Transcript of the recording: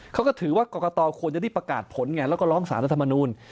เขาก็ถือว่ากรกตควรจะได้ประกาศผลไงแล้วก็ร้องสารรัฐมนูล